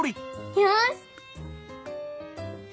よし！